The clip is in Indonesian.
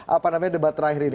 apa namanya debat terakhir ini